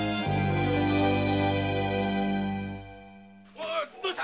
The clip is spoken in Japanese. おいどうした？